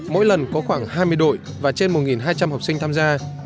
mỗi lần có khoảng hai mươi đội và trên một hai trăm linh học sinh tham gia